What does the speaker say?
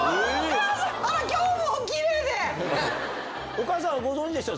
お母さんはご存じでした？